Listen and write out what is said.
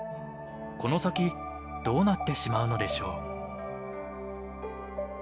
この先どうなってしまうのでしょう。